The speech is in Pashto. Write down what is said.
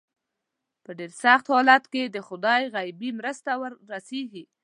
په ډېر سخت حالت کې د خدای غیبي مرسته ور ورسېږي.